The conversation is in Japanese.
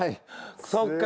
そっか